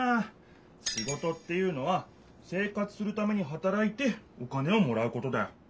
「仕事」っていうのは「生活するためにはたらいてお金をもらうこと」だよ。